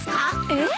えっ？